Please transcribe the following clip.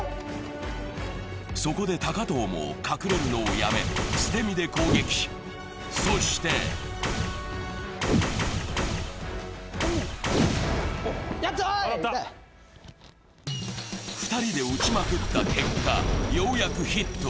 そこで高藤も隠れるのをやめ、捨て身で攻撃し、そして２人で撃ちまくった結果、ようやくヒット。